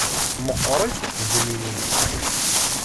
Meqqṛit tfednin-is.